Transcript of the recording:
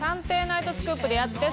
ナイトスクープ」でやって！